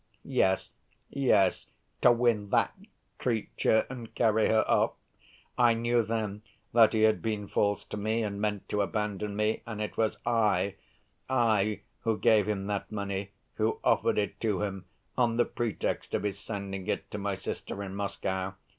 Yes, yes—to win that creature and carry her off. I knew then that he had been false to me and meant to abandon me, and it was I, I, who gave him that money, who offered it to him on the pretext of his sending it to my sister in Moscow.